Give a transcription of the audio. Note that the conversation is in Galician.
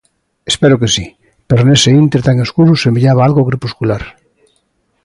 Espero que si, pero nese intre tan escuro semellaba algo crepuscular.